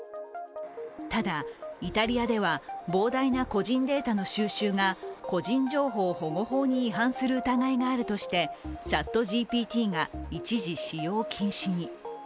ただ、イタリアでは膨大な個人データの収集が個人情報保護法に違反する疑いがあるとしてＣｈａｔＧＰＴが一時使用禁止に。